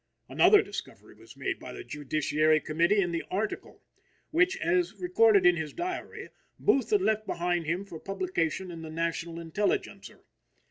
Another discovery was made by the Judiciary Committee in the "Article" which, as recorded in his diary, Booth had left behind him for publication in the National Intelligencer.